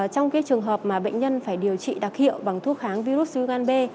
trong trường hợp mà bệnh nhân phải điều trị đặc hiệu bằng thuốc kháng virus siêu gan b